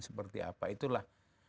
seperti apa itulah